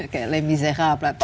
kayak lebih sehat lah tuh